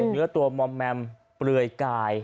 เนื้อตัวมอมแมมเปลือยกาย